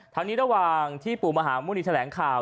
ทางนี้ระหว่างที่ปุมาฮามูลิแถลงข่าว